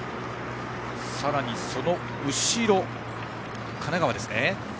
さらに、その後ろ神奈川ですね。